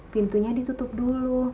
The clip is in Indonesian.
pintunya ditutup dulu